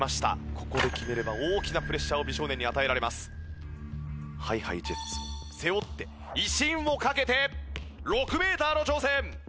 ここで決めれば大きなプレッシャーを美少年に与えられます。ＨｉＨｉＪｅｔｓを背負って威信をかけて６メーターの挑戦！